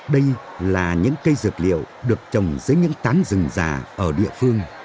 đây là những cây dược liệu được trồng dưới những tán rừng già ở địa phương